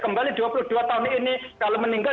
kembali dua puluh dua tahun ini kalau meninggal